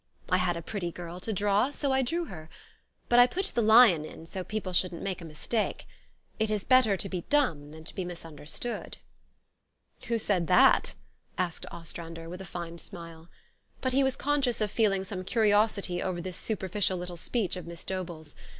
I had a pretty girl to draw: so I drew her. But I put the lion in, so people shouldn't make a mistake. 4 It is better to be dumb than to be misunder stood.' "" Who said that? " asked Ostrander, with a fine smile. But he was conscious of feeling some curi osity over this superficial little speech of Miss Dobell's.